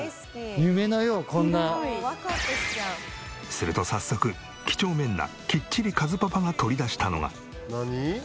すると早速几帳面なきっちりかずパパが取り出したのが。